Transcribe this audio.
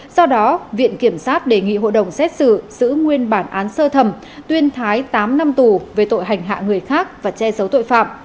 do đó viện kiểm sát đề nghị hội đồng xét xử giữ nguyên bản án sơ thẩm tuyên thái tám năm tù về tội hành hạ người khác và che giấu tội phạm